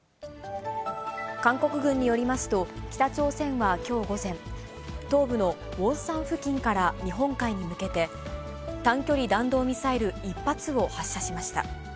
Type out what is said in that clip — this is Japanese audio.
韓国軍によりますと、北朝鮮はきょう午前、東部のウォンサン付近から日本海に向けて、短距離弾道ミサイル１発を発射しました。